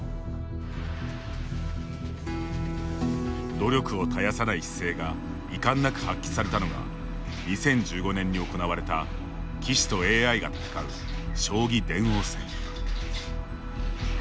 努力を絶やさない姿勢が遺憾なく発揮されたのが２０１５年に行われた棋士とＡＩが戦う将棋電王戦。